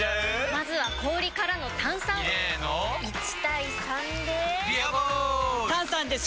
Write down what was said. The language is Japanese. まずは氷からの炭酸！入れの１：３で「ビアボール」！